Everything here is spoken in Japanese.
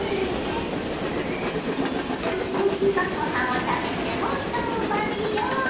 おいしい晩ごはんを食べてもうひとふんばりよ！